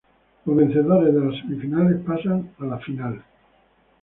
Los vencedores de las Semifinales pasan hacia la Final.